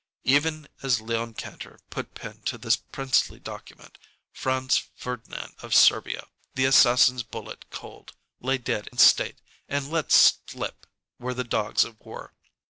Even as Leon Kantor put pen to this princely document, Franz Ferdinand of Serbia, the assassin's bullet cold, lay dead in state, and let slip were the dogs of war.